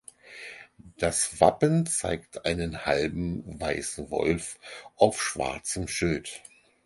Das Wappen zeigt einen halben weißen Wolf auf schwarzem Schild.